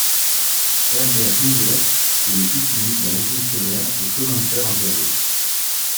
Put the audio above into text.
Herbert Hunger est le fils unique d'un haut fonctionnaire aux chemins de fer impériaux.